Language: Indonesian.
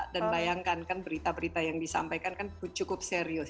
dan bayangkan kan berita berita yang disampaikan kan cukup serius